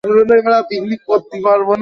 আমার কথা শুনতে পাচ্ছো, থমাস?